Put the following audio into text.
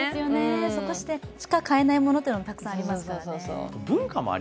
そこでしか買えないものもたくさんありますからね。